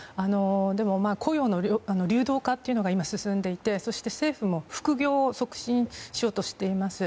でも、雇用の流動化が今は進んでいてそして、政府も副業を促進しようとしています。